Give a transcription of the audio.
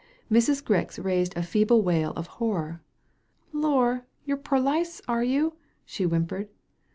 Mrs. Grix raised a feeble wail of horror. "Lor', you're perlice, are you?" she whimpered.